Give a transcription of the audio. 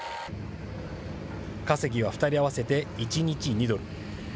稼ぎは２人合わせて１日２ドル。